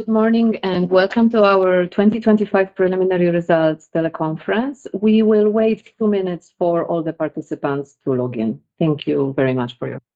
Good morning. Welcome to our 2025 preliminary results teleconference. We will wait two minutes for all the participants to log in. Thank you very much for your patience.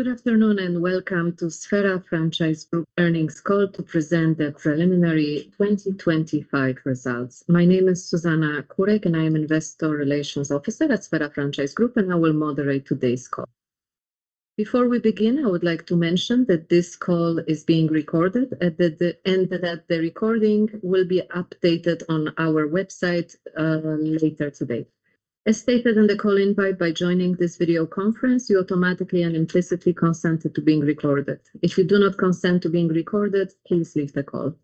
Good afternoon. Welcome to Sphera Franchise Group earnings call to present the preliminary 2025 results. My name is Zuzanna Kurek, and I am Investor Relations Officer at Sphera Franchise Group, and I will moderate today's call. Before we begin, I would like to mention that this call is being recorded, and that the recording will be updated on our website later today. As stated on the call invite, by joining this video conference, you automatically and implicitly consent to being recorded. If you do not consent to being recorded, please leave the call.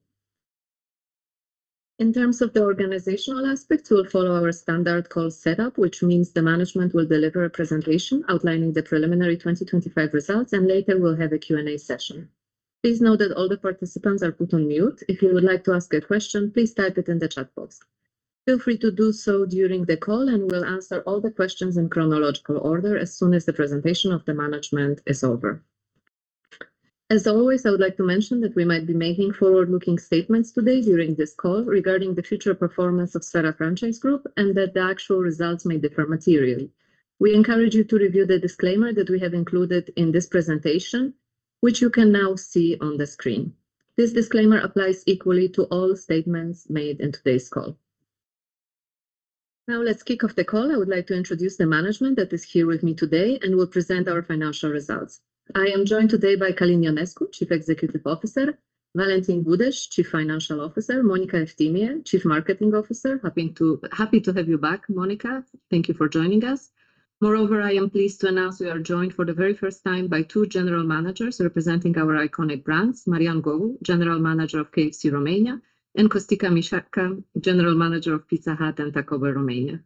In terms of the organizational aspect, we'll follow our standard call setup, which means the management will deliver a presentation outlining the preliminary 2025 results. Later we'll have a Q&A session. Please note that all the participants are put on mute. If you would like to ask a question, please type it in the chat box. Feel free to do so during the call. We'll answer all the questions in chronological order as soon as the presentation of the management is over. As always, I would like to mention that we might be making forward-looking statements today during this call regarding the future performance of Sphera Franchise Group. The actual results may differ materially. We encourage you to review the disclaimer that we have included in this presentation, which you can now see on the screen. This disclaimer applies equally to all statements made in today's call. Let's kick off the call. I would like to introduce the management that is here with me today and will present our financial results. I am joined today by Călin Ionescu, Chief Executive Officer; Valentin Budeș, Chief Financial Officer; Monica Eftimie, Chief Marketing Officer. Happy to have you back, Monica. Thank you for joining us. I am pleased to announce we are joined for the very first time by two General Managers representing our iconic brands, Marian Gogu, General Manager of KFC, Romania, and Costin Muișă, General Manager of Pizza Hut and Taco Bell, Romania.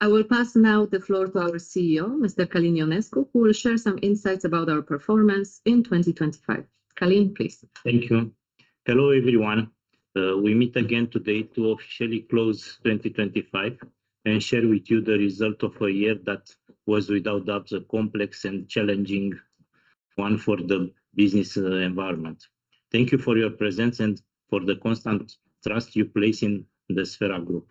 I will pass now the floor to our CEO, Mr. Călin Ionescu, who will share some insights about our performance in 2025. Călin, please. Thank you. Hello, everyone. We meet again today to officially close 2025 and share with you the result of a year that was, without doubt, a complex and challenging one for the business environment. Thank you for your presence and for the constant trust you place in the Sphera Group.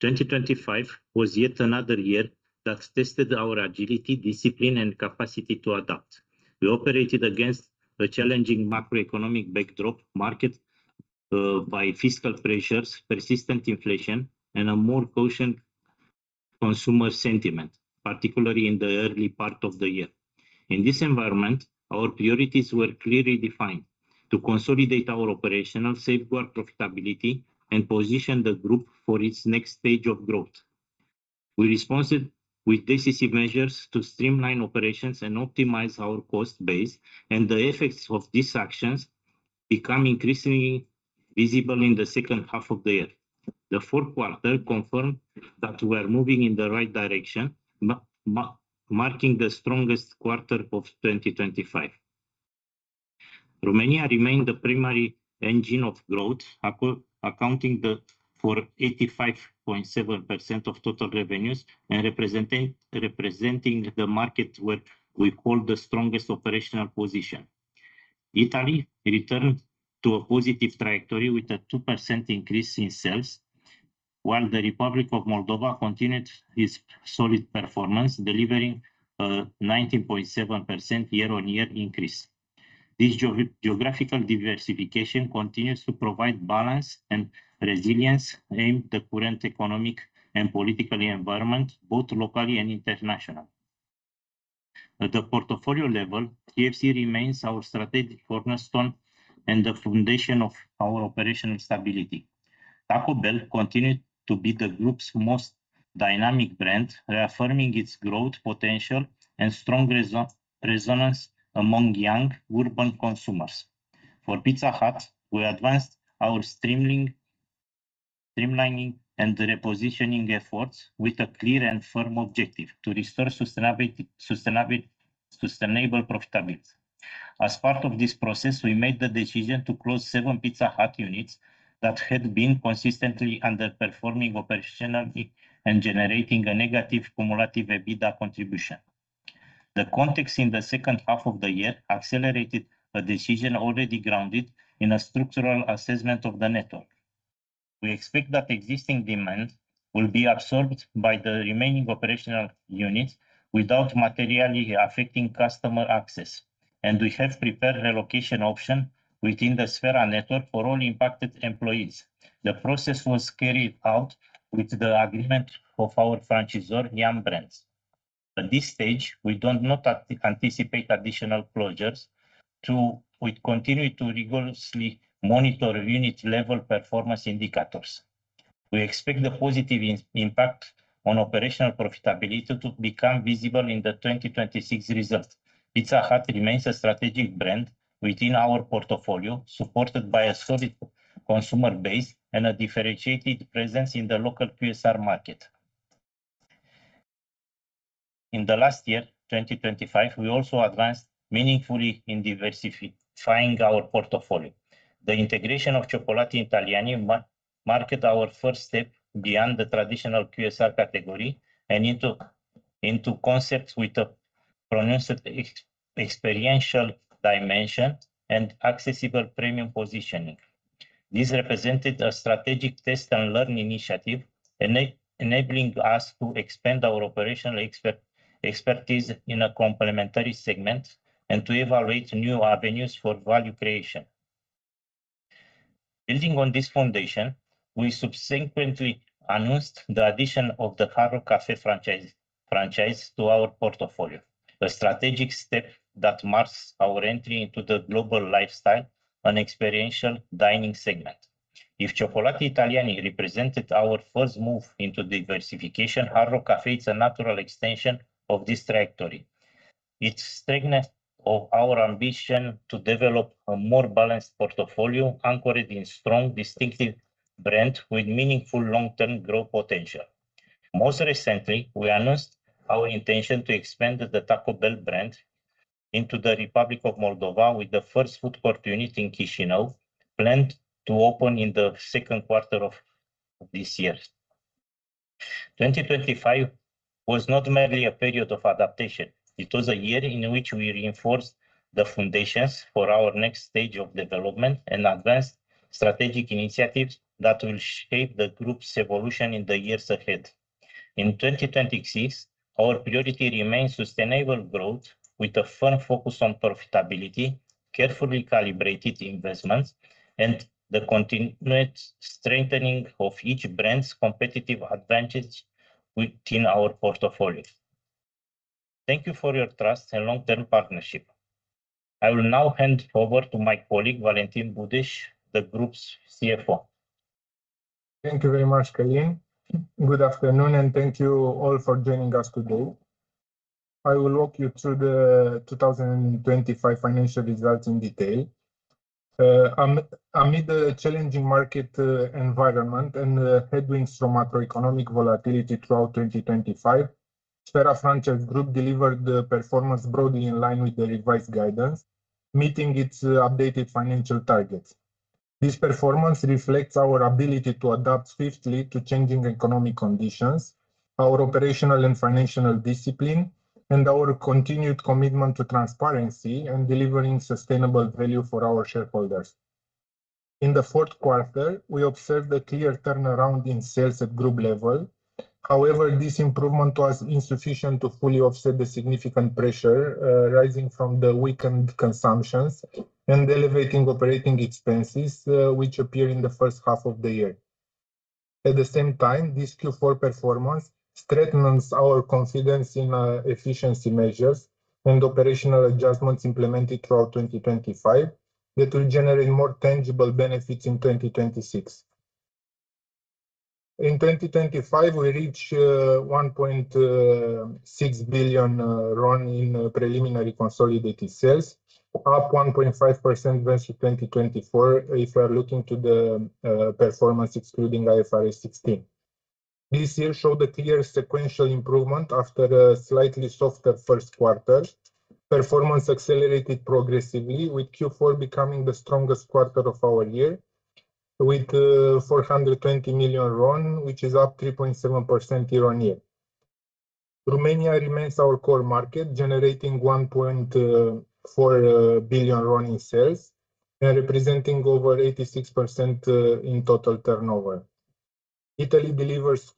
2025 was yet another year that tested our agility, discipline, and capacity to adapt. We operated against a challenging macroeconomic backdrop market by fiscal pressures, persistent inflation, and a more cautious consumer sentiment, particularly in the early part of the year. In this environment, our priorities were clearly defined: to consolidate our operational safeguard profitability and position the group for its next stage of growth. We responded with decisive measures to streamline operations and optimize our cost base, the effects of these actions become increasingly visible in the second half of the year. The Q4 confirmed that we are moving in the right direction, marking the strongest quarter of 2025. Romania remained the primary engine of growth, accounting for 85.7% of total revenues, and representing the market where we hold the strongest operational position. Italy returned to a positive trajectory with a 2% increase in sales, while the Republic of Moldova continued its solid performance, delivering a 19.7% year-on-year increase. This geographical diversification continues to provide balance and resilience in the current economic and political environment, both locally and internationally. At the portfolio level, KFC remains our strategic cornerstone and the foundation of our operational stability. Taco Bell continued to be the group's most dynamic brand, reaffirming its growth potential and strong resonance among young urban consumers. For Pizza Hut, we advanced our streamlining and repositioning efforts with a clear and firm objective: to restore sustainable profitability. As part of this process, we made the decision to close seven Pizza Hut units that had been consistently underperforming operationally and generating a negative cumulative EBITDA contribution. The context in the second half of the year accelerated a decision already grounded in a structural assessment of the network. We expect that existing demand will be absorbed by the remaining operational units without materially affecting customer access, and we have prepared relocation option within the Sphera network for all impacted employees. The process was carried out with the agreement of our franchisor, Yum! Brands. At this stage, we do not anticipate additional closures. We continue to rigorously monitor unit-level performance indicators. We expect the positive impact on operational profitability to become visible in the 2026 results. Pizza Hut remains a strategic brand within our portfolio, supported by a solid consumer base and a differentiated presence in the local QSR market. In the last year, 2025, we also advanced meaningfully in diversifying our portfolio. The integration of Cioccolatitaliani marked our first step beyond the traditional QSR category and into concepts with a pronounced experiential dimension and accessible premium positioning. This represented a strategic test and learn initiative, enabling us to expand our operational expertise in a complementary segment and to evaluate new avenues for value creation. Building on this foundation, we subsequently announced the addition of the Hard Rock Cafe franchise to our portfolio, a strategic step that marks our entry into the global lifestyle and experiential dining segment. If CioccolatiItaliani represented our first move into diversification, Hard Rock Cafe, it's a natural extension of this trajectory. It strengthens our ambition to develop a more balanced portfolio, anchored in strong, distinctive brand with meaningful long-term growth potential. Most recently, we announced our intention to expand the Taco Bell brand into the Republic of Moldova, with the first food court unit in Chișinău, planned to open in the Q2 of this year. 2025 was not merely a period of adaptation. It was a year in which we reinforced the foundations for our next stage of development and advanced strategic initiatives that will shape the group's evolution in the years ahead. In 2026, our priority remains sustainable growth, with a firm focus on profitability, carefully calibrated investments, and the continued strengthening of each brand's competitive advantage within our portfolio. Thank you for your trust and long-term partnership. I will now hand over to my colleague, Valentin Budeș, the group's CFO. Thank you very much, Calin. Good afternoon. Thank you all for joining us today. I will walk you through the 2025 financial results in detail. Amid the challenging market environment and headwinds from macroeconomic volatility throughout 2025, Sphera Franchise Group delivered the performance broadly in line with the revised guidance, meeting its updated financial targets. This performance reflects our ability to adapt swiftly to changing economic conditions, our operational and financial discipline, and our continued commitment to transparency and delivering sustainable value for our shareholders. In the Q4, we observed a clear turnaround in sales at group level. This improvement was insufficient to fully offset the significant pressure rising from the weakened consumptions and elevating operating expenses, which appeared in the first half of the year. This Q4 performance strengthens our confidence in efficiency measures and operational adjustments implemented throughout 2025 that will generate more tangible benefits in 2026. 2025, we reached RON 1.6 billion in preliminary consolidated sales, up 1.5% versus 2024 if we are looking to the performance excluding IFRS 16. This year showed a clear sequential improvement after a slightly softer Q1. Performance accelerated progressively, with Q4 becoming the strongest quarter of our year, with RON 420 million, which is up 3.7% year-over-year. Romania remains our core market, generating RON 1.4 billion in sales and representing over 86% in total turnover. Italy delivers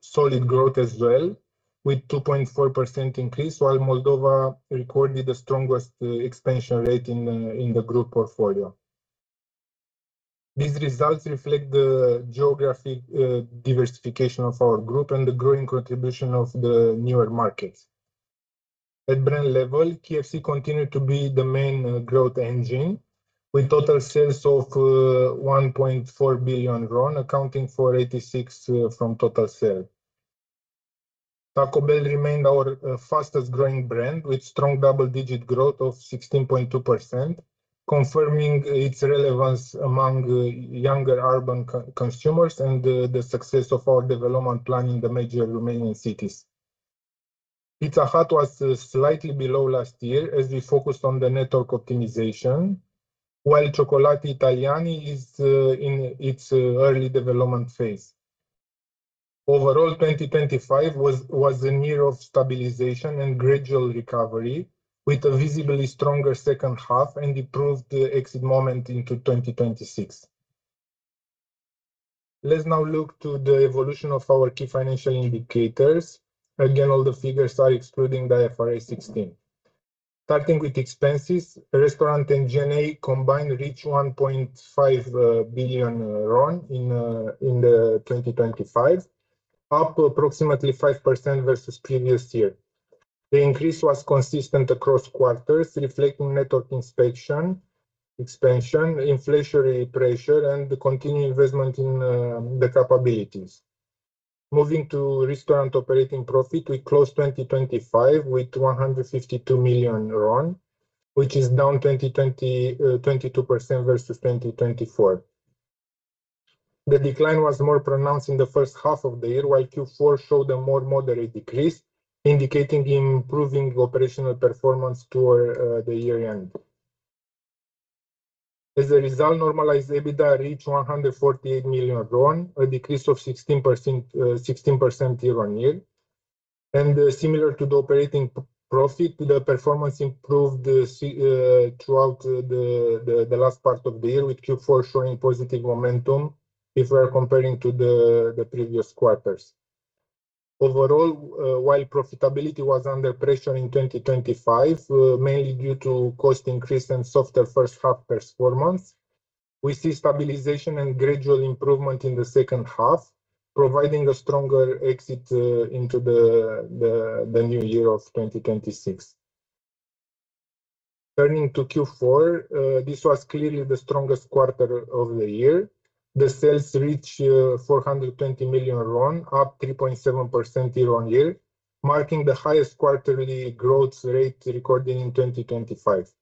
solid growth as well, with 2.4% increase, while Moldova recorded the strongest expansion rate in the group portfolio. These results reflect the geographic diversification of our group and the growing contribution of the newer markets. At brand level, KFC continued to be the main growth engine, with total sales of 1.4 billion RON, accounting for 86% from total sales. Taco Bell remained our fastest growing brand, with strong double-digit growth of 16.2%, confirming its relevance among younger urban consumers and the success of our development plan in the major Romanian cities. Pizza Hut was slightly below last year as we focused on the network optimization, while Cioccolatitaliani is in its early development phase. Overall, 2025 was a year of stabilization and gradual recovery, with a visibly stronger second half and improved the exit moment into 2026. Let's now look to the evolution of our key financial indicators. Again, all the figures are excluding the IFRS 16. Starting with expenses, restaurant and G&A combined reached RON 1.5 billion in 2025, up approximately 5% versus previous year. The increase was consistent across quarters, reflecting network inspection, expansion, inflationary pressure, and the continued investment in the capabilities. Moving to restaurant operating profit, we closed 2025 with RON 152 million, which is down 22% versus 2024. The decline was more pronounced in the first half of the year, while Q4 showed a more moderate decrease, indicating improving operational performance toward the year end. As a result, normalized EBITDA reached RON 148 million, a decrease of 16% year-on-year. Similar to the operating profit, the performance improved throughout the last part of the year, with Q4 showing positive momentum if we are comparing to the previous quarters. Overall, while profitability was under pressure in 2025, mainly due to cost increase and softer first half performance, we see stabilization and gradual improvement in the second half, providing a stronger exit into the new year of 2026. Turning to Q4, this was clearly the strongest quarter of the year. The sales reached RON 420 million, up 3.7% year-on-year, marking the highest quarterly growth rate recorded in 2025.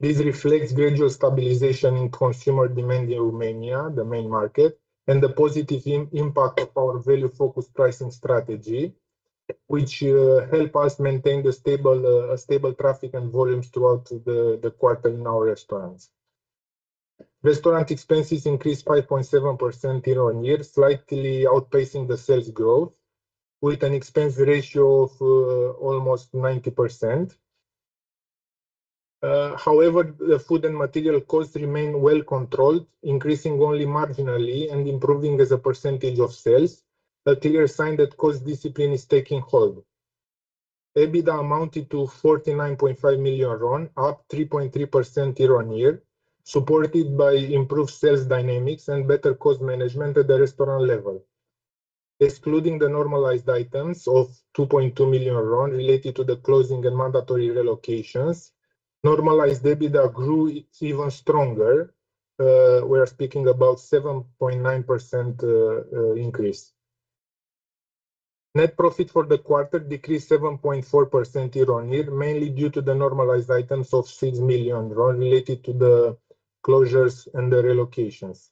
This reflects gradual stabilization in consumer demand in Romania, the main market, and the positive impact of our value-focused pricing strategy, which help us maintain the stable traffic and volumes throughout the quarter in our restaurants. Restaurant expenses increased 5.7% year-on-year, slightly outpacing the sales growth, with an expense ratio of almost 90%. However, the food and material costs remain well controlled, increasing only marginally and improving as a % of sales, a clear sign that cost discipline is taking hold. EBITDA amounted to RON 49.5 million, up 3.3% year-on-year, supported by improved sales dynamics and better cost management at the restaurant level. Excluding the normalized items of RON 2.2 million related to the closing and mandatory relocations, normalized EBITDA grew even stronger. We are speaking about 7.9% increase. Net profit for the quarter decreased 7.4% year-on-year, mainly due to the normalized items of RON 6 million related to the closures and the relocations.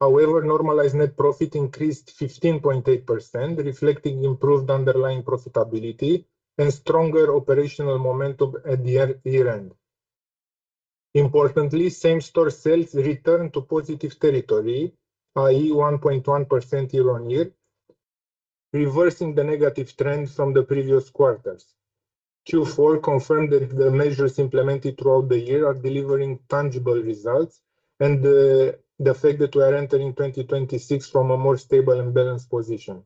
Normalized net profit increased 15.8%, reflecting improved underlying profitability and stronger operational momentum at the year end. Importantly, same-store sales returned to positive territory, i.e., 1.1% year-on-year, reversing the negative trend from the previous quarters. Q4 confirmed that the measures implemented throughout the year are delivering tangible results, the fact that we are entering 2026 from a more stable and balanced position.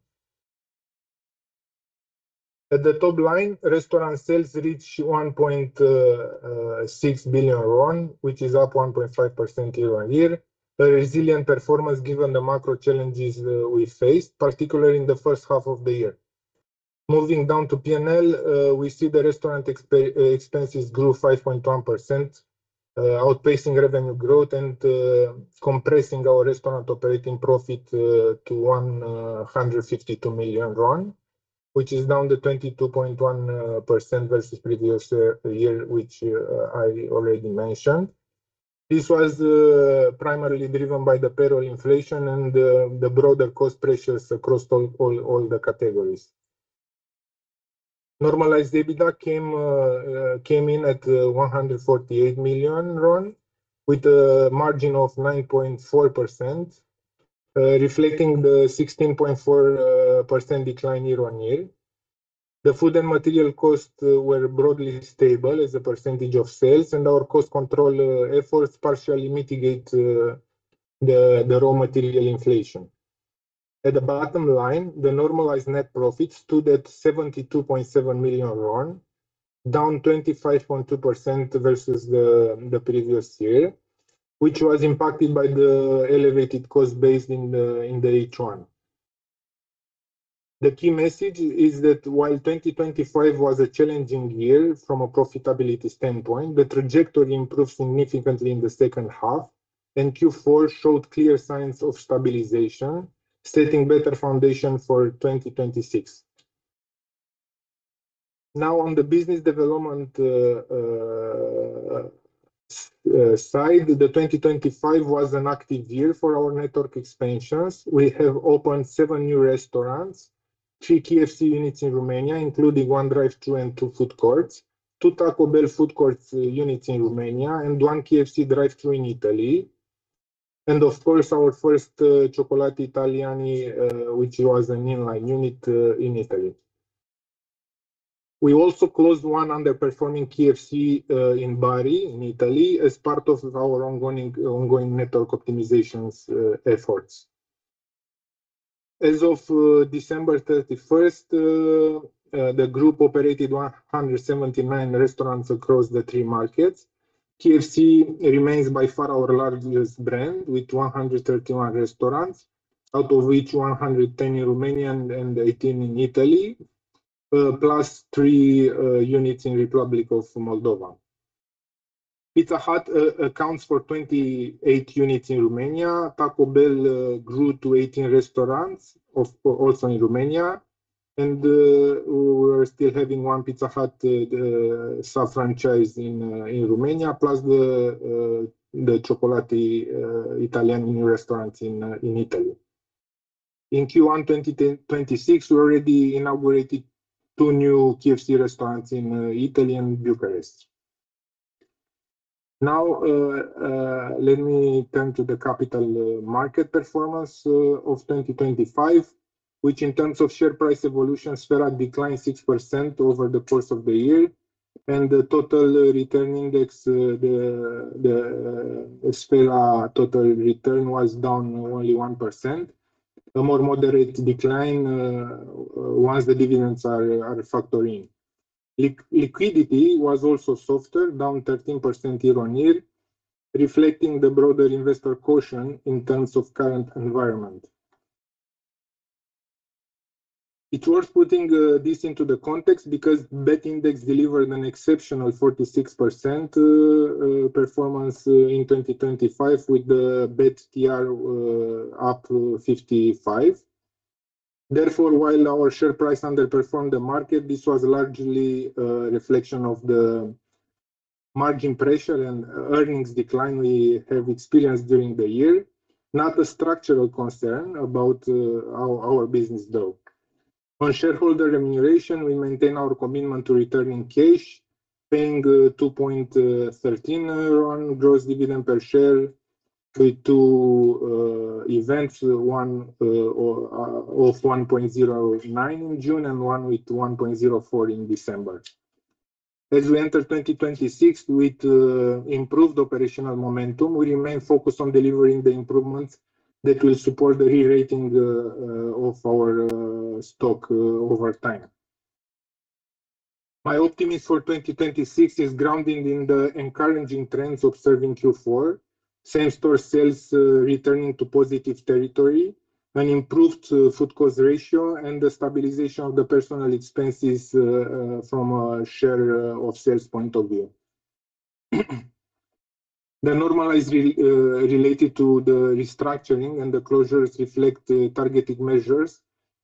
At the top line, restaurant sales reached RON 1.6 billion, which is up 1.5% year-on-year. A resilient performance given the macro challenges we faced, particularly in the first half of the year. Moving down to P&L, we see the restaurant expenses grew 5.1%, outpacing revenue growth and compressing our restaurant operating profit to RON 152 million, which is down to 22.1% versus previous year, which I already mentioned. This was primarily driven by the payroll inflation and the broader cost pressures across all the categories. Normalized EBITDA came in at RON 148 million, with a margin of 9.4%, reflecting the 16.4% decline year-on-year. The food and material costs were broadly stable as a percentage of sales, and our cost control efforts partially mitigate the raw material inflation. At the bottom line, the normalized net profit stood at RON 72.7 million, down 25.2% versus the previous year, which was impacted by the elevated cost base in the H1. The key message is that while 2025 was a challenging year from a profitability standpoint, the trajectory improved significantly in the second half, and Q4 showed clear signs of stabilization, setting better foundation for 2026. On the business development side, 2025 was an active year for our network expansions. We have opened seven new restaurants: three KFC units in Romania, including one drive-thru and two food courts, two Taco Bell food courts units in Romania, and one KFC drive-thru in Italy, and of course, our first Cioccolatitaliani, which was an inline unit in Italy. We also closed one underperforming KFC in Bari, in Italy, as part of our ongoing network optimizations efforts. As of December 31st, the group operated 179 restaurants across the three markets. KFC remains by far our largest brand, with 131 restaurants, out of which 110 in Romania and 18 in Italy, plus three units in Republic of Moldova. Pizza Hut accounts for 28 units in Romania. Taco Bell grew to 18 restaurants, of... also in Romania, we're still having 1 Pizza Hut sub-franchise in Romania, plus the Cioccolatitaliani restaurant in Italy. In Q1 2026, we already inaugurated two new KFC restaurants in Italy and Bucharest. Now, let me turn to the capital market performance of 2025, which in terms of share price evolution, Sphera declined 6% over the course of the year, and the total return index, the Sphera total return was down only 1%, a more moderate decline once the dividends are factored in. Liquidity was also softer, down 13% year-on-year, reflecting the broader investor caution in terms of current environment. It's worth putting this into the context because BET index delivered an exceptional 46% performance in 2025, with the BET TR up to 55. While our share price underperformed the market, this was largely a reflection of the margin pressure and earnings decline we have experienced during the year, not a structural concern about our business, though. On shareholder remuneration, we maintain our commitment to returning cash, paying RON 2.13 gross dividend per share with two events, one or of RON 1.09 in June and one with RON 1.04 in December. As we enter 2026 with improved operational momentum, we remain focused on delivering the improvements that will support the re-rating of our stock over time. My optimism for 2026 is grounding in the encouraging trends observed in Q4: same-store sales returning to positive territory, an improved food cost ratio, and the stabilization of the personnel expenses from a share of sales point of view. The normalization related to the restructuring and the closures reflect targeted measures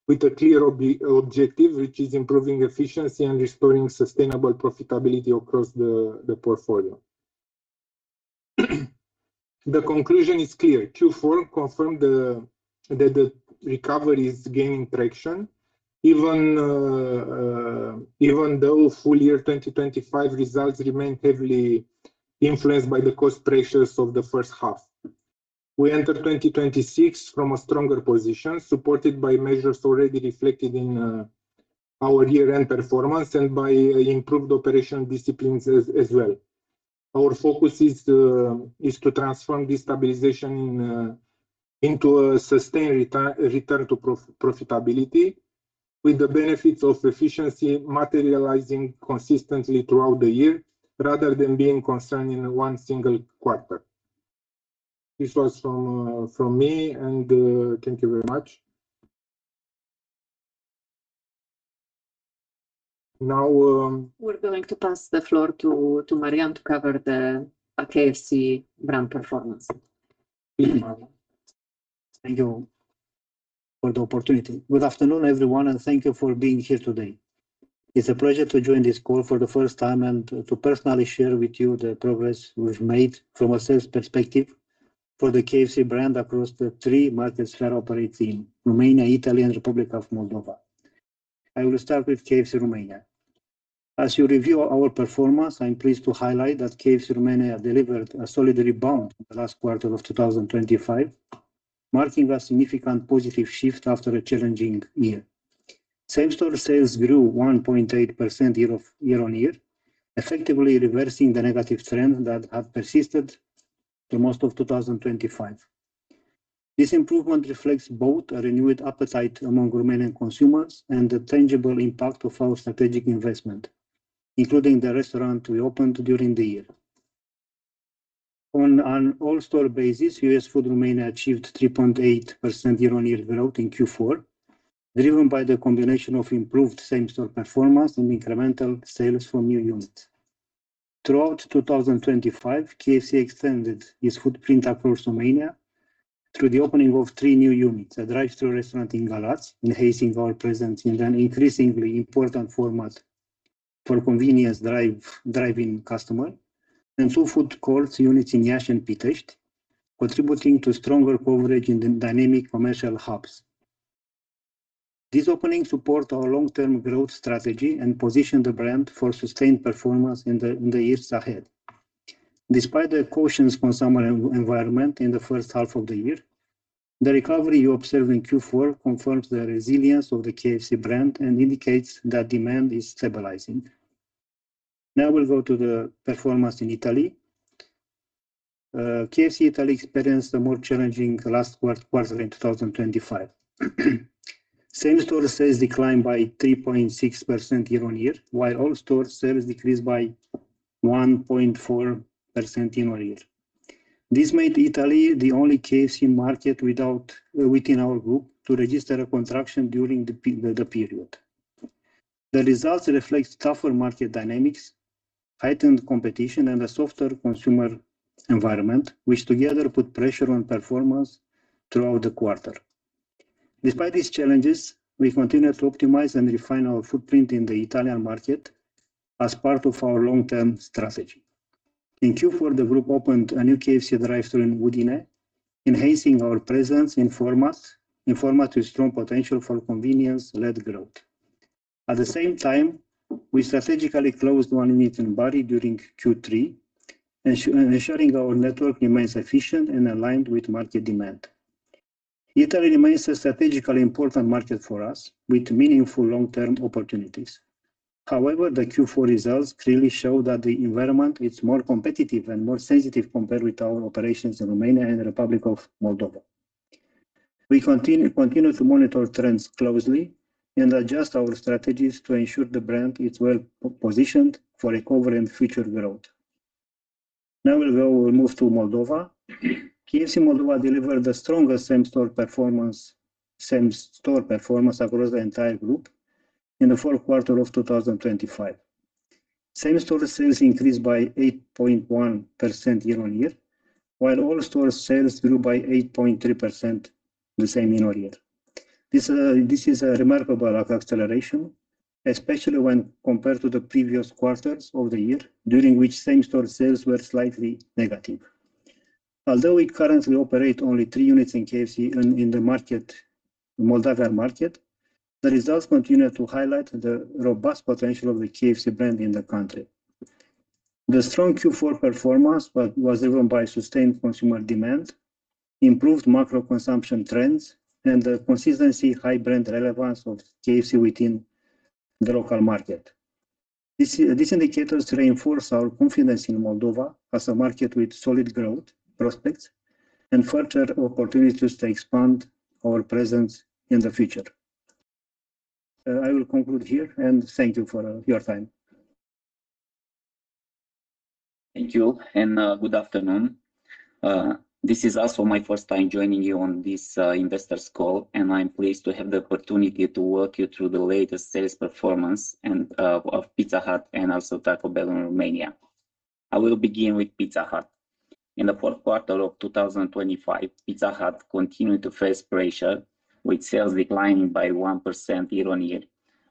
with a clear objective, which is improving efficiency and restoring sustainable profitability across the portfolio. The conclusion is clear: Q4 confirmed that the recovery is gaining traction, even though full year 2025 results remain heavily influenced by the cost pressures of the first half. We enter 2026 from a stronger position, supported by measures already reflected in our year-end performance and by improved operational disciplines as well. Our focus is to transform this stabilization into a sustained return to profitability, with the benefits of efficiency materializing consistently throughout the year, rather than being concerned in one single quarter. This was from me, and thank you very much. We're going to pass the floor to Marian to cover the KFC brand performance. Thank you, Marian. Thank you for the opportunity. Good afternoon, everyone, and thank you for being here today. It's a pleasure to join this call for the first time and to personally share with you the progress we've made from a sales perspective for the KFC brand across the three markets we are operating: Romania, Italy, and Republic of Moldova. I will start with KFC Romania. As you review our performance, I'm pleased to highlight that KFC Romania delivered a solid rebound in the last quarter of 2025, marking a significant positive shift after a challenging year. Same-store sales grew 1.8% year-on-year, effectively reversing the negative trend that had persisted for most of 2025. This improvement reflects both a renewed appetite among Romanian consumers and the tangible impact of our strategic investment, including the restaurant we opened during the year. On an all-store basis, US Food Romania achieved 3.8% year-on-year growth in Q4, driven by the combination of improved same-store performance and incremental sales from new units. Throughout 2025, KFC extended its footprint across Romania through the opening of three new units: a drive-thru restaurant in Galați, enhancing our presence in an increasingly important format for convenience drive-in customer, and two food courts units in Iași and Pitești, contributing to stronger coverage in the dynamic commercial hubs. These openings support our long-term growth strategy and position the brand for sustained performance in the years ahead. Despite the cautious consumer environment in the first half of the year, the recovery we observed in Q4 confirms the resilience of the KFC brand and indicates that demand is stabilizing. Now we'll go to the performance in Italy. KFC Italy experienced a more challenging last quarter in 2025. Same-store sales declined by 3.6% year-over-year, while all store sales decreased by 1.4% year-over-year. This made Italy the only KFC market within our group to register a contraction during the period. The results reflect tougher market dynamics, heightened competition, and a softer consumer environment, which together put pressure on performance throughout the quarter. Despite these challenges, we continue to optimize and refine our footprint in the Italian market as part of our long-term strategy. In Q4, the group opened a new KFC drive-thru in Udine, enhancing our presence in format with strong potential for convenience-led growth. At the same time, we strategically closed one unit in Bari during Q3, ensuring our network remains efficient and aligned with market demand. Italy remains a strategically important market for us, with meaningful long-term opportunities. However, the Q4 results clearly show that the environment is more competitive and more sensitive compared with our operations in Romania and the Republic of Moldova. We continue to monitor trends closely and adjust our strategies to ensure the brand is well positioned for recovery and future growth. Now we'll move to Moldova. KFC Moldova delivered the strongest same-store performance across the entire group in the Q4 of 2025. Same-store sales increased by 8.1% year-on-year, while all store sales grew by 8.3% the same year-on-year. This is a remarkable acceleration, especially when compared to the previous quarters of the year, during which same-store sales were slightly negative. Although we currently operate only three units in KFC in the market, Moldova market, the results continue to highlight the robust potential of the KFC brand in the country. The strong Q4 performance was driven by sustained consumer demand, improved macro consumption trends, and the consistency high brand relevance of KFC within the local market. These indicators reinforce our confidence in Moldova as a market with solid growth prospects and further opportunities to expand our presence in the future. I will conclude here, and thank you for your time. Thank you. Good afternoon. This is also my first time joining you on this investors call, and I'm pleased to have the opportunity to walk you through the latest sales performance of Pizza Hut and also Taco Bell in Romania. I will begin with Pizza Hut. In Q4 2025, Pizza Hut continued to face pressure, with sales declining by 1% year-on-year,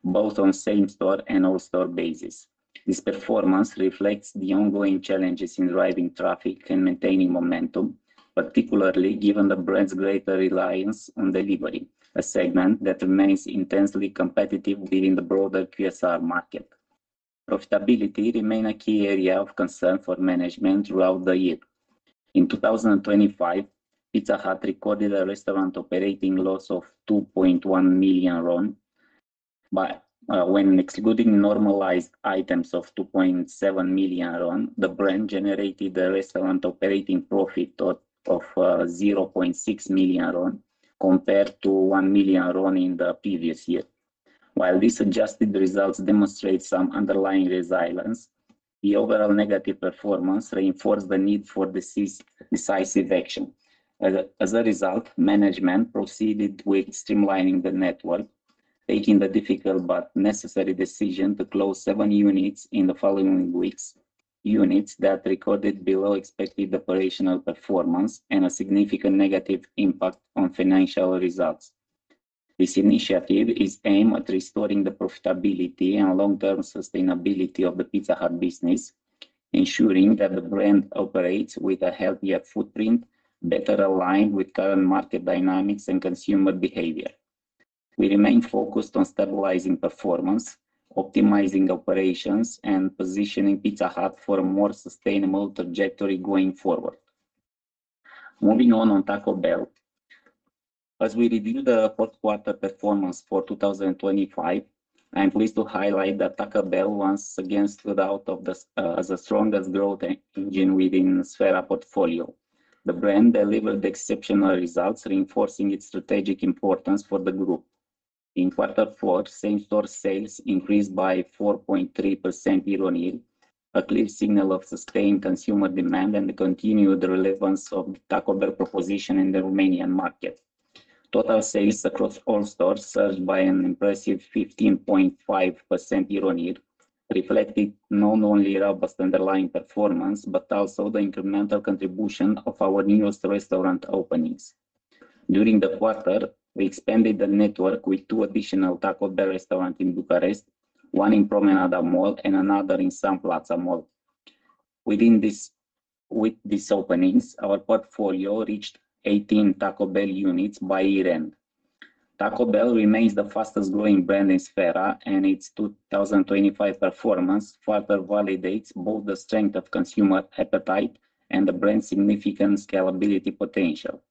both on same-store and all-store basis. This performance reflects the ongoing challenges in driving traffic and maintaining momentum, particularly given the brand's greater reliance on delivery, a segment that remains intensely competitive within the broader QSR market. Profitability remained a key area of concern for management throughout the year. In 2025, Pizza Hut recorded a restaurant operating loss of RON 2.1 million, when excluding normalized items of RON 2.7 million, the brand generated a restaurant operating profit of RON 0.6 million, compared to RON 1 million in the previous year. While these adjusted results demonstrate some underlying resilience, the overall negative performance reinforced the need for decisive action. As a result, management proceeded with streamlining the network, taking the difficult but necessary decision to close seven units in the following weeks, units that recorded below expected operational performance and a significant negative impact on financial results. This initiative is aimed at restoring the profitability and long-term sustainability of the Pizza Hut business, ensuring that the brand operates with a healthier footprint, better aligned with current market dynamics and consumer behavior. We remain focused on stabilizing performance, optimizing operations, and positioning Pizza Hut for a more sustainable trajectory going forward. Moving on Taco Bell. As we review the Q4 performance for 2025, I'm pleased to highlight that Taco Bell once again stood out of this as the strongest growth engine within Sphera portfolio. The brand delivered exceptional results, reinforcing its strategic importance for the group. In quarter four, same-store sales increased by 4.3% year-on-year, a clear signal of sustained consumer demand and the continued relevance of the Taco Bell proposition in the Romanian market. Total sales across all stores surged by an impressive 15.5% year-on-year, reflecting not only robust underlying performance, but also the incremental contribution of our newest restaurant openings. During the quarter, we expanded the network with two additional Taco Bell restaurant in Bucharest, one in Promenada Mall, and another in Sun Plaza Mall. With these openings, our portfolio reached 18 Taco Bell units by year-end. Taco Bell remains the fastest-growing brand in Sphera, and its 2025 performance further validates both the strength of consumer appetite and the brand's significant scalability potential.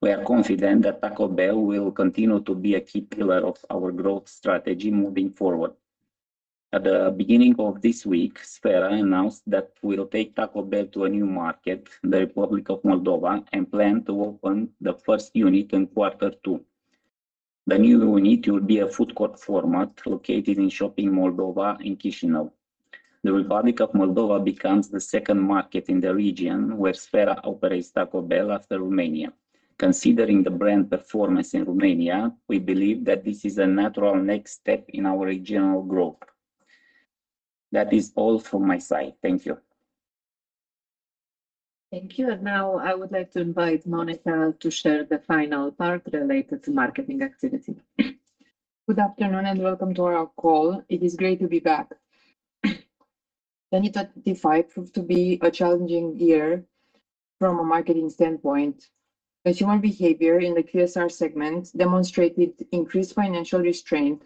We are confident that Taco Bell will continue to be a key pillar of our growth strategy moving forward. At the beginning of this week, Sphera announced that we'll take Taco Bell to a new market, the Republic of Moldova, and plan to open the first unit in quarter two. The new unit will be a food court format located in Shopping MallDova in Chisinau. The Republic of Moldova becomes the second market in the region where Sphera operates Taco Bell after Romania. Considering the brand performance in Romania, we believe that this is a natural next step in our regional growth. That is all from my side. Thank you. Thank you. Now I would like to invite Monica to share the final part related to marketing activity. Good afternoon. Welcome to our call. It is great to be back. 2025 proved to be a challenging year from a marketing standpoint. Consumer behavior in the QSR segment demonstrated increased financial restraint,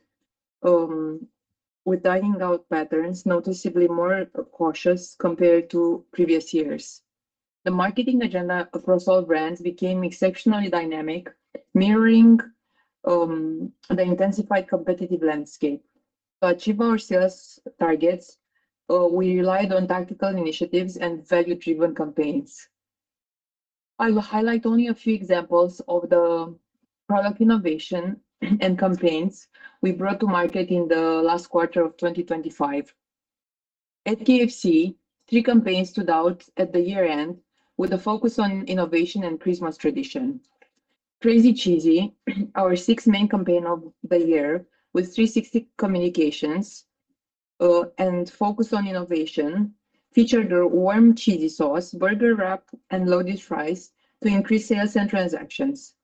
with dining-out patterns noticeably more cautious compared to previous years. The marketing agenda across all brands became exceptionally dynamic, mirroring the intensified competitive landscape. To achieve our sales targets, we relied on tactical initiatives and value-driven campaigns. I will highlight only a few examples of the product innovation and campaigns we brought to market in the last quarter of 2025. At KFC, three campaigns stood out at the year-end, with a focus on innovation and Christmas tradition. Crazy Cheesy, our 6th main campaign of the year, with 360 communications and focus on innovation, featured a warm, cheesy sauce, burger wrap, and loaded fries to increase sales and transactions.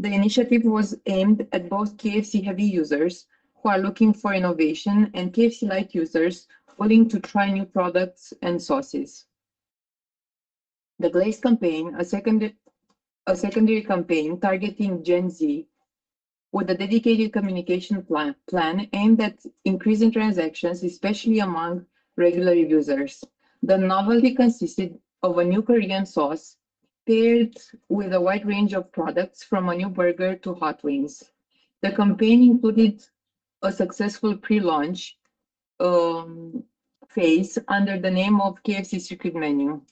The initiative was aimed at both KFC heavy users who are looking for innovation and KFC light users willing to try new products and sauces. The Glazed campaign, A secondary campaign targeting Gen Z, with a dedicated communication plan aimed at increasing transactions, especially among regular users. The novelty consisted of a new Korean sauce paired with a wide range of products, from a new burger to hot wings. The campaign included a successful pre-launch phase under the name of KFC Secret Menu.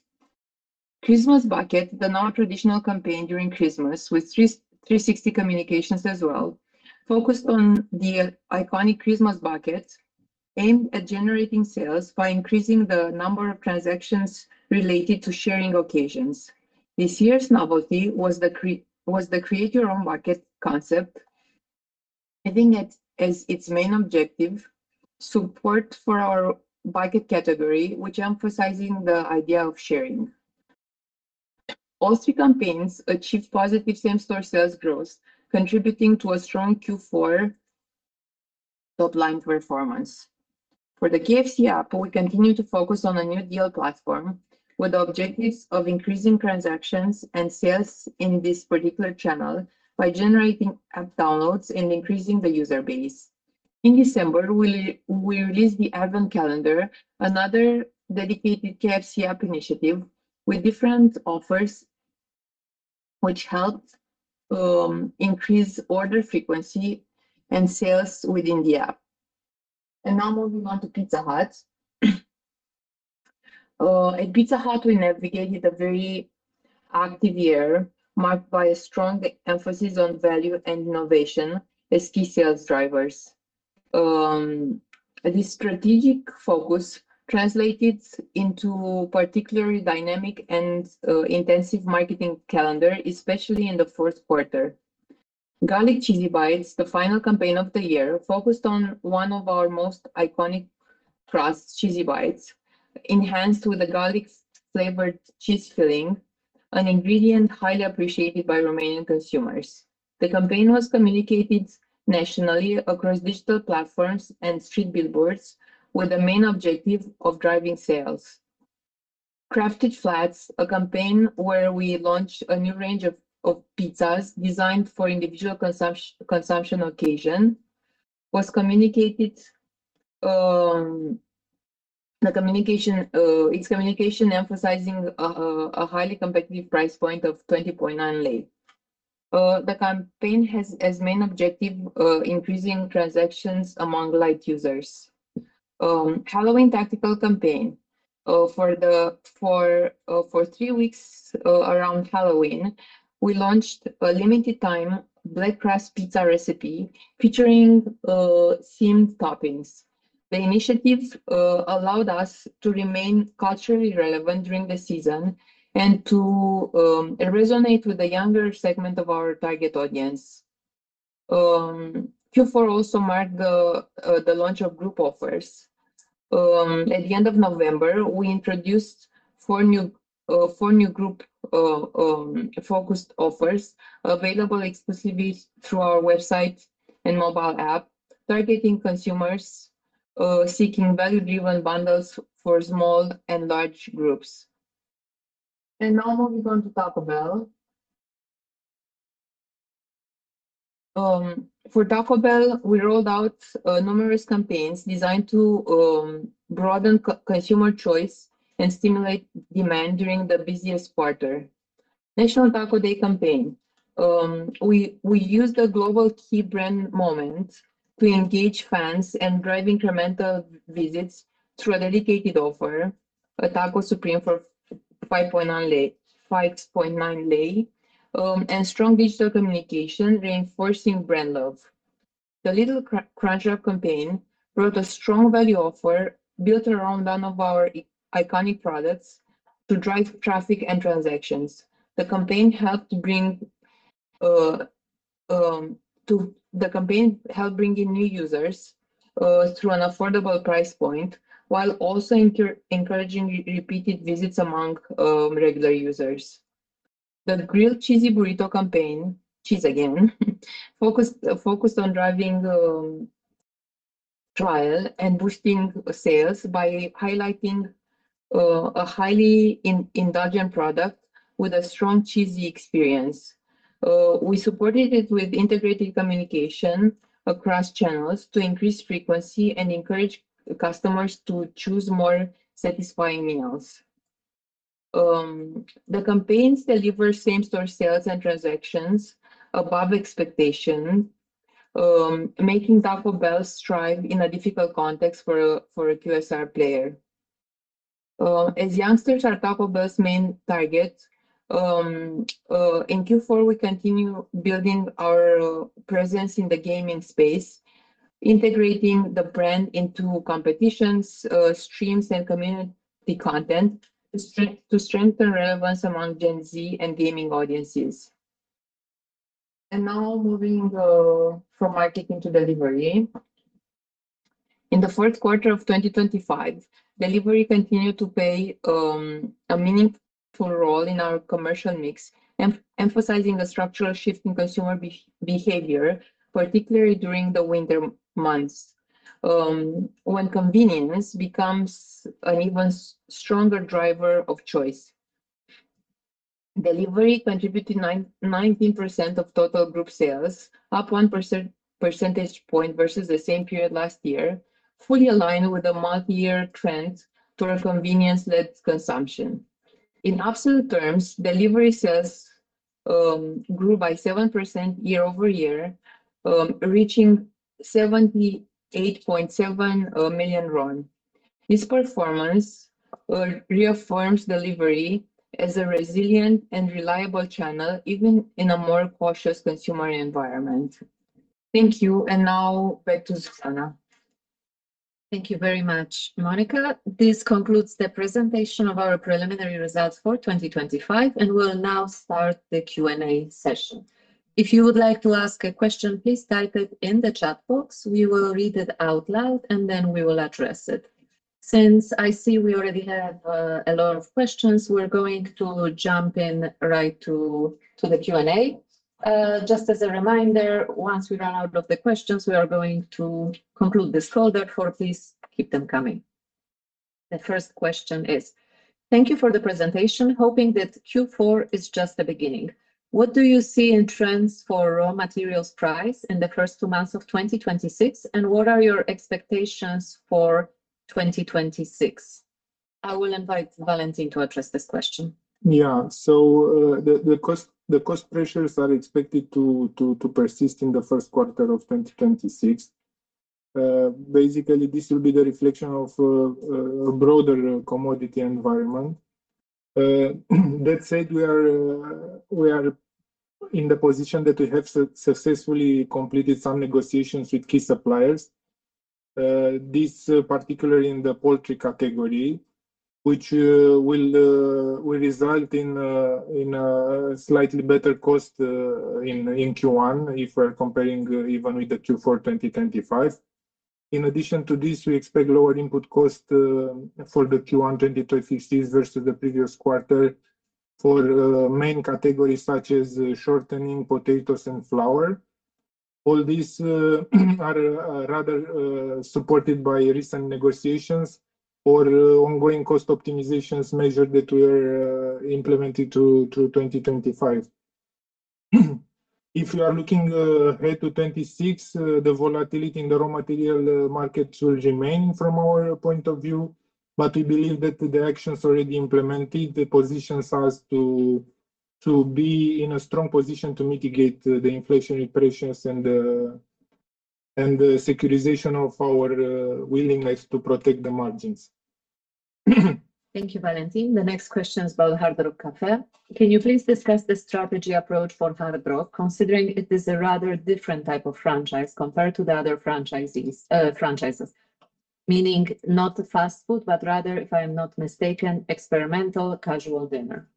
Christmas Bucket, the nontraditional campaign during Christmas, with three sixty communications as well, focused on the iconic Christmas Bucket, aimed at generating sales by increasing the number of transactions related to sharing occasions. This year's novelty was the Create your Christmas Bucket concept, having it as its main objective, support for our bucket category, which emphasizing the idea of sharing. All three campaigns achieved positive same-store sales growth, contributing to a strong Q4 top-line performance. For the KFC app, we continue to focus on a new deal platform with the objectives of increasing transactions and sales in this particular channel by generating app downloads and increasing the user base. In December, we released the Advent Calendar, another dedicated KFC app initiative with different offers, which helped increase order frequency and sales within the app. Now moving on to Pizza Hut. At Pizza Hut, we navigated a very active year, marked by a strong emphasis on value and innovation as key sales drivers.... This strategic focus translated into particularly dynamic and intensive marketing calendar, especially in the Q4. Garlic Cheesy Bites, the final campaign of the year, focused on one of our most iconic crusts, cheesy bites, enhanced with a garlic-flavored cheese filling, an ingredient highly appreciated by Romanian consumers. The campaign was communicated nationally across digital platforms and street billboards, with the main objective of driving sales. Crafted Flatzz, a campaign where we launched a new range of pizzas designed for individual consumption occasion, was communicated, its communication emphasizing a highly competitive price point of 20.9 RON. The campaign has as main objective increasing transactions among light users. Halloween tactical campaign. For three weeks around Halloween, we launched a limited time black crust pizza recipe featuring themed toppings. The initiative allowed us to remain culturally relevant during the season and to resonate with the younger segment of our target audience. Q4 also marked the launch of group offers. At the end of November, we introduced four new group focused offers available exclusively through our website and mobile app, targeting consumers seeking value-driven bundles for small and large groups. Now moving on to Taco Bell. For Taco Bell, we rolled out numerous campaigns designed to broaden co-consumer choice and stimulate demand during the busiest quarter. National Taco Day campaign. We used a global key brand moment to engage fans and drive incremental visits through a dedicated offer, a Taco Supreme for 5.9 RON, and strong digital communication reinforcing brand love. The Little Crunchwrap campaign brought a strong value offer built around one of our iconic products to drive traffic and transactions. The campaign helped bring in new users through an affordable price point, while also encouraging repeated visits among regular users. The Grilled Cheesy Burrito campaign, cheese again, focused on driving trial and boosting sales by highlighting a highly indulgent product with a strong cheesy experience. We supported it with integrated communication across channels to increase frequency and encourage customers to choose more satisfying meals. The campaigns delivered same-store sales and transactions above expectation, making Taco Bell strive in a difficult context for a QSR player. As youngsters are Taco Bell's main target, in Q4, we continue building our presence in the gaming space, integrating the brand into competitions, streams, and community content to strengthen relevance among Gen Z and gaming audiences. Now moving from marketing to delivery. In the Q4 of 2025, delivery continued to play a meaningful role in our commercial mix, emphasizing a structural shift in consumer behavior, particularly during the winter months, when convenience becomes an even stronger driver of choice. Delivery contributed 19% of total group sales, up one percentage point versus the same period last year, fully aligned with the month-year trend toward a convenience-led consumption. In absolute terms, delivery sales grew by 7% year-over-year, reaching 78.7 million RON. This performance reaffirms delivery as a resilient and reliable channel, even in a more cautious consumer environment. Thank you. Now back to Zuzanna. Thank you very much, Monica. This concludes the presentation of our preliminary results for 2025, and we'll now start the Q&A session. If you would like to ask a question, please type it in the chat box. We will read it out loud, and then we will address it. Since I see we already have a lot of questions, we're going to jump in right to the Q&A. Just as a reminder, once we run out of the questions, we are going to conclude this call, therefore, please keep them coming. The first question is: Thank you for the presentation, hoping that Q4 is just the beginning. What do you see in trends for raw materials price in the first two months of 2026? What are your expectations for 2026? I will invite Valentin to address this question. The cost pressures are expected to persist in the Q1 of 2026. Basically, this will be the reflection of a broader commodity environment. That said, we are in the position that we have successfully completed some negotiations with key suppliers. This particularly in the poultry category, which will result in a slightly better cost in Q1, if we're comparing even with the Q4 2025. In addition to this, we expect lower input cost for the Q1 2026 season versus the previous quarter for main categories such as shortening, potatoes and flour. All these are rather supported by recent negotiations or ongoing cost optimizations measure that were implemented to 2025. If we are looking ahead to 2026, the volatility in the raw material market will remain from our point of view, but we believe that the actions already implemented, they positions us to be in a strong position to mitigate the inflationary pressures and the securitization of our willingness to protect the margins. Thank you, Valentin. The next question is about Hard Rock Cafe. Can you please discuss the strategy approach for Hard Rock, considering it is a rather different type of franchise compared to the other franchising franchises? Meaning not fast food, but rather, if I am not mistaken, experimental casual dinner.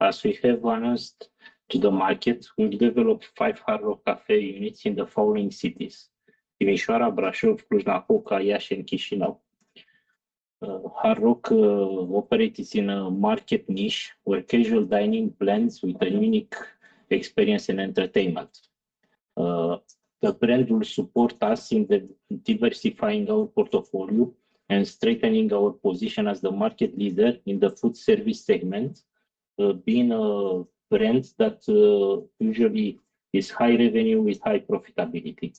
As we have announced to the market, we've developed five Hard Rock Cafe units in the following cities: Timișoara, Brașov, Cluj-Napoca, Iași, and Chișinău. Hard Rock operates in a market niche where casual dining blends with a unique experience and entertainment. The brand will support us in the diversifying our portfolio and strengthening our position as the market leader in the food service segment, being a brand that usually is high revenue with high profitability.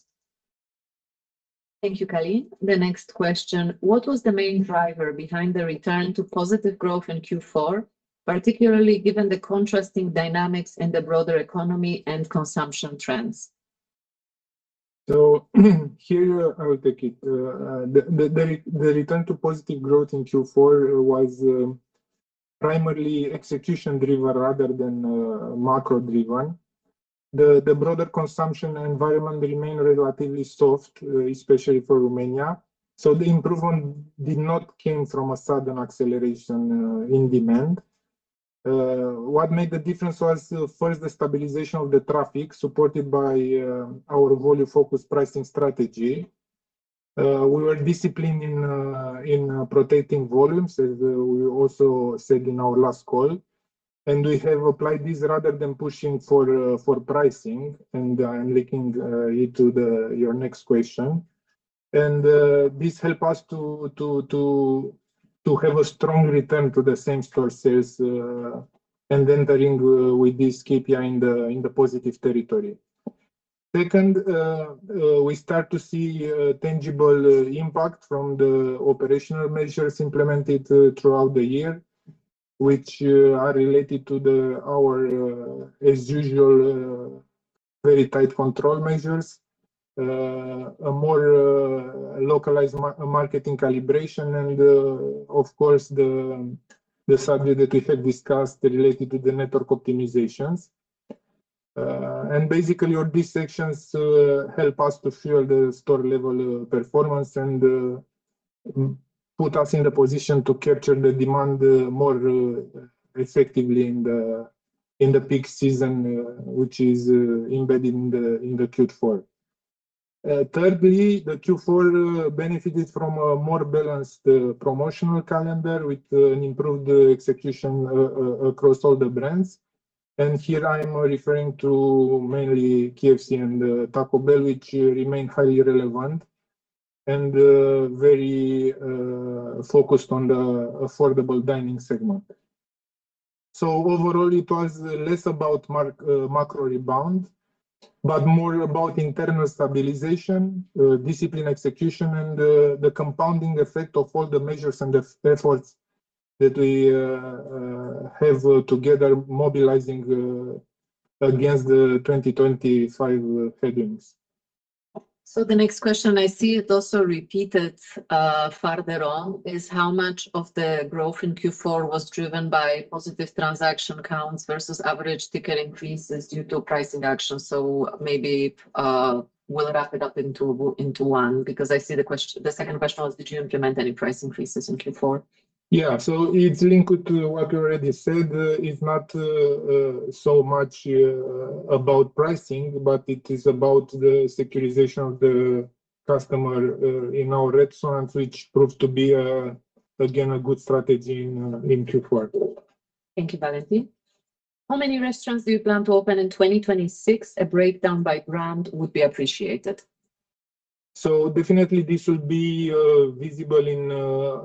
Thank you, Călin. The next question: What was the main driver behind the return to positive growth in Q4, particularly given the contrasting dynamics in the broader economy and consumption trends? Here, I will take it. The return to positive growth in Q4 was primarily execution-driven rather than macro-driven. The broader consumption environment remained relatively soft, especially for Romania, so the improvement did not came from a sudden acceleration in demand. What made the difference was first, the stabilization of the traffic, supported by our volume-focused pricing strategy. We were disciplined in protecting volumes, as we also said in our last call, and we have applied this rather than pushing for pricing, and I'm linking it to the... your next question. This help us to have a strong return to the same-store sales and entering with this KPI in the positive territory. Second, we start to see tangible impact from the operational measures implemented throughout the year, which are related to our as usual very tight control measures, a more localized marketing calibration, and of course, the subject that we have discussed related to the network optimizations. Basically, all these sections help us to fuel the store level performance and put us in a position to capture the demand more effectively in the peak season, which is embedded in the Q4. Thirdly, the Q4 benefited from a more balanced promotional calendar with an improved execution across all the brands. Here I'm referring to mainly KFC and Taco Bell, which remain highly relevant and very focused on the affordable dining segment. Overall, it was less about macro rebound, but more about internal stabilization, discipline execution, and the compounding effect of all the measures and the efforts that we have together, mobilizing against the 2025 headings. The next question, I see it also repeated, further on, is: How much of the growth in Q4 was driven by positive transaction counts versus average ticket increases due to pricing action? Maybe, we'll wrap it up into one, because I see the second question was: Did you implement any price increases in Q4? Yeah. It's linked to what we already said. It's not so much about pricing, but it is about the securitization of the customer in our restaurants, which proved to be again, a good strategy in Q4. Thank you, Valentin. How many restaurants do you plan to open in 2026? A breakdown by brand would be appreciated. Definitely this will be visible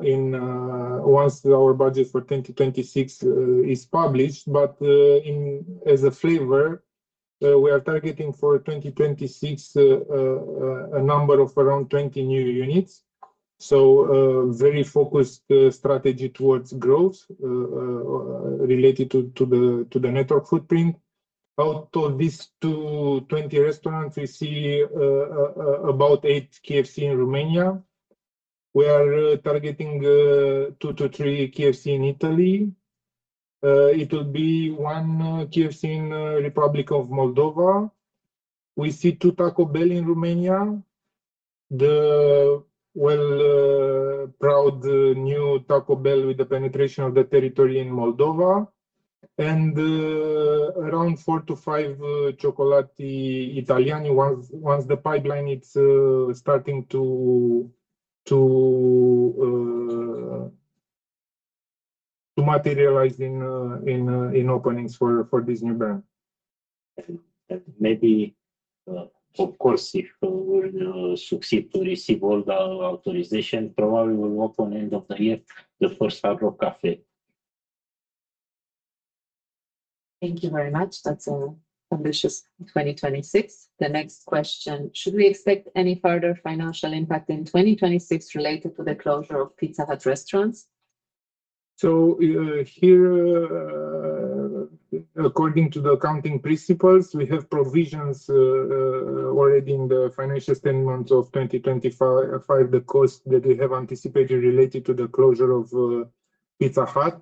in once our budget for 2026 is published. In, as a flavor, we are targeting for 2026 a number of around 20 new units. A very focused strategy towards growth related to the network footprint. Out of these 220 restaurants, we see about eight KFC in Romania. We are targeting 2 to 3 KFC in Italy. It will be one KFC in Republic of Moldova. We see two Taco Bell in Romania. The, well, proud new Taco Bell with the penetration of the territory in Moldova, and around 4 to 5 CioccolatiItaliani, once the pipeline it's starting to materialize in openings for this new brand. Maybe, of course, if we will succeed to receive all the authorization, probably we'll open end of the year, the first Hard Rock Cafe. Thank you very much. That's ambitious 2026. The next question: Should we expect any further financial impact in 2026 related to the closure of Pizza Hut restaurants? Here, according to the accounting principles, we have provisions already in the financial statements of 2025, the cost that we have anticipated related to the closure of Pizza Hut.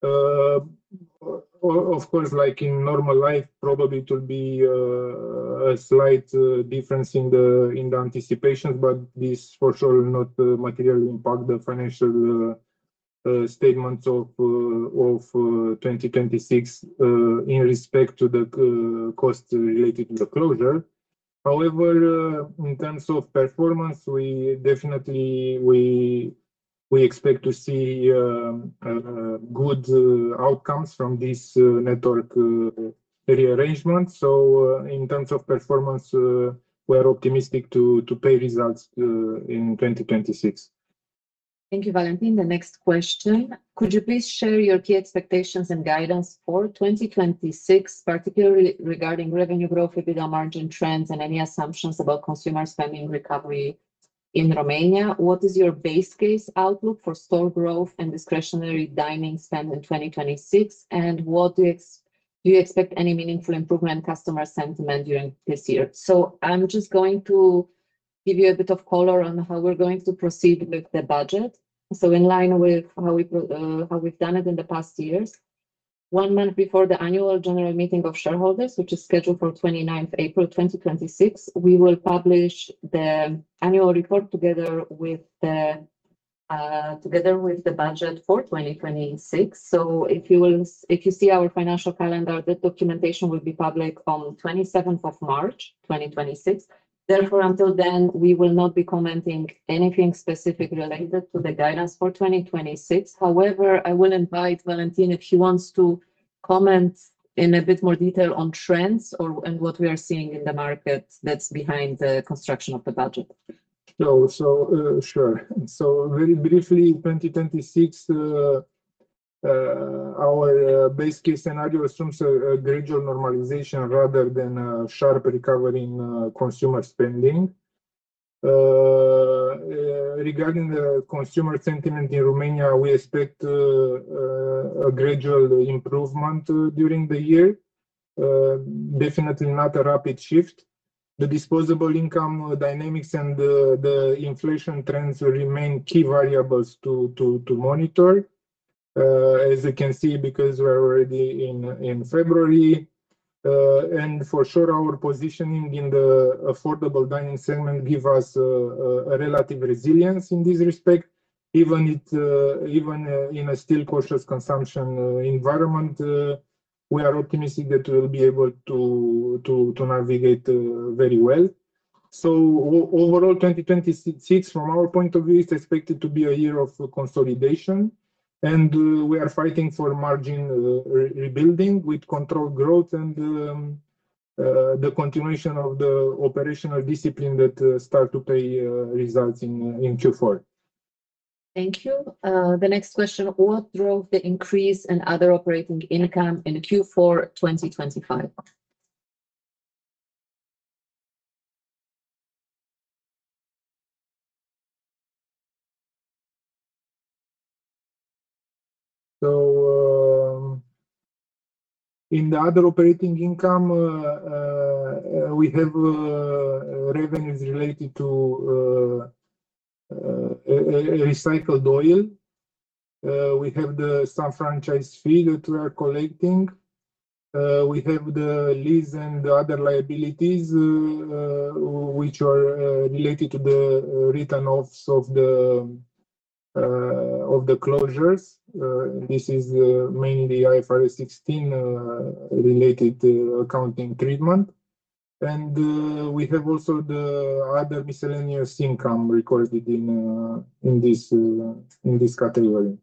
Of course, like in normal life, probably it will be a slight difference in the anticipation, but this for sure will not materially impact the financial statements of 2026, in respect to the cost related to the closure. However, in terms of performance, we definitely we expect to see good outcomes from this network rearrangement. In terms of performance, we're optimistic to pay results in 2026. Thank you, Valentin. The next question: Could you please share your key expectations and guidance for 2026, particularly regarding revenue growth, EBITDA margin trends, and any assumptions about consumer spending recovery in Romania? What is your base case outlook for store growth and discretionary dining spend in 2026? What do you expect any meaningful improvement in customer sentiment during this year? I'm just going to give you a bit of color on how we're going to proceed with the budget. In line with how we've done it in the past years, one month before the annual general meeting of shareholders, which is scheduled for 29th April, 2026, we will publish the annual report together with the, together with the budget for 2026. If you will, if you see our financial calendar, the documentation will be public on 27th of March, 2026. Therefore, until then, we will not be commenting anything specific related to the guidance for 2026. However, I will invite Valentin Budeș, if he wants to comment in a bit more detail on trends or, and what we are seeing in the market that's behind the construction of the budget. Sure. Very briefly, in 2026, our base case scenario assumes a gradual normalization rather than a sharp recovery in consumer spending. Regarding the consumer sentiment in Romania, we expect a gradual improvement during the year. Definitely not a rapid shift. The disposable income dynamics and the inflation trends remain key variables to monitor. As you can see, because we're already in February, and for sure, our positioning in the affordable dining segment give us a relative resilience in this respect. Even in a still cautious consumption environment, we are optimistic that we'll be able to navigate very well. Overall, 2026, from our point of view, is expected to be a year of consolidation, and we are fighting for margin rebuilding with controlled growth and the continuation of the operational discipline that start to pay results in Q4. Thank you. The next question: What drove the increase in other operating income in Q4, 2025? In the other operating income, we have revenues related to recycled oil. We have the some franchise fee that we are collecting. We have the lease and the other liabilities, which are related to the written-offs of the closures. This is mainly IFRS 16 related accounting treatment. We have also the other miscellaneous income recorded in this category.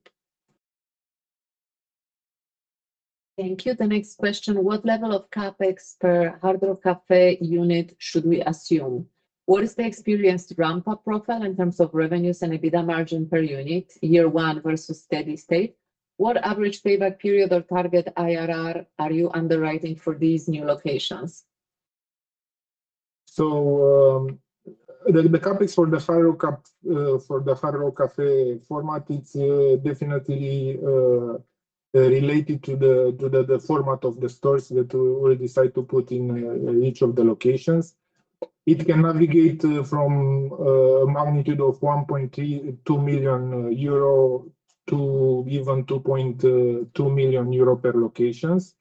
Thank you. The next question: What level of CapEx per Hard Rock Cafe unit should we assume? What is the experienced ramp-up profile in terms of revenues and EBITDA margin per unit, year one versus steady state? What average payback period or target IRR are you underwriting for these new locations?... The CapEx for the Faro cup, for the Faro Cafe format, it's definitely related to the format of the stores that we will decide to put in each of the locations. It can navigate from a magnitude of 1.32 million euro to even 2.2 million euro per locations.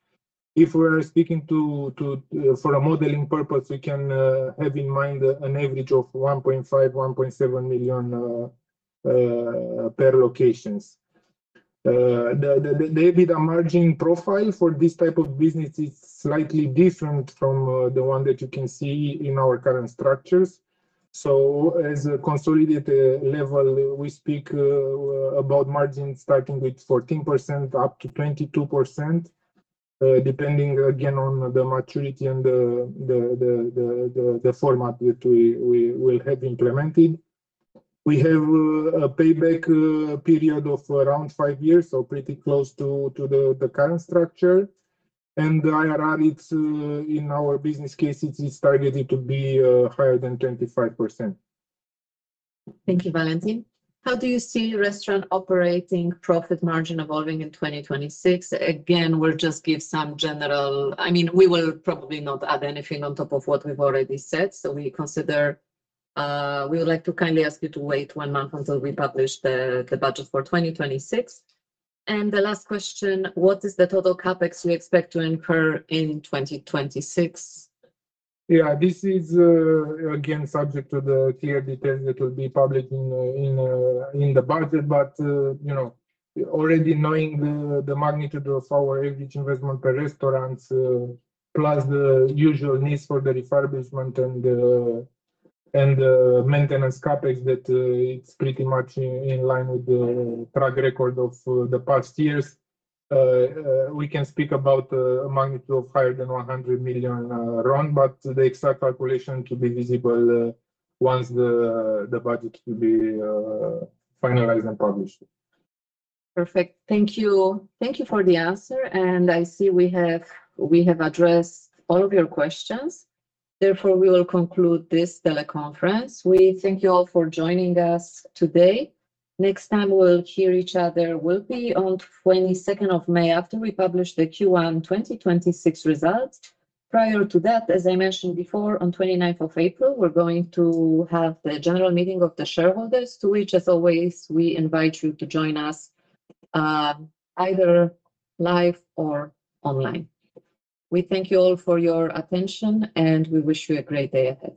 If we're speaking for a modeling purpose, we can have in mind an average of 1.5 million to 1.7 million per locations. The EBITDA margin profile for this type of business is slightly different from the one that you can see in our current structures. As a consolidated level, we speak about margin starting with 14%, up to 22%, depending again, on the maturity and the format that we will have implemented. We have a payback period of around five years, so pretty close to the current structure. The IRR, it's in our business case, it is targeted to be higher than 25%. Thank you, Valentin. How do you see restaurant operating profit margin evolving in 2026? I mean, we will probably not add anything on top of what we've already said. we consider we would like to kindly ask you to wait one month until we publish the budget for 2026. The last question: What is the total CapEx we expect to incur in 2026? This is, again, subject to the clear details that will be published in the budget. You know, already knowing the magnitude of our average investment per restaurants, plus the usual needs for the refurbishment and maintenance CapEx, that it's pretty much in line with the track record of the past years. We can speak about a magnitude of higher than 100 million RON, but the exact calculation to be visible once the budget will be finalized and published. Perfect. Thank you. Thank you for the answer. I see we have addressed all of your questions. We will conclude this teleconference. We thank you all for joining us today. Next time we'll hear each other will be on 22nd of May, after we publish the Q1 2026 results. Prior to that, as I mentioned before, on 29th of April, we're going to have the general meeting of the shareholders, to which, as always, we invite you to join us, either live or online. We thank you all for your attention. We wish you a great day ahead.